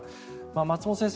松本先生